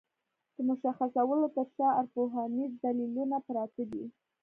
د مشخصولو تر شا ارواپوهنيز دليلونه پراته دي.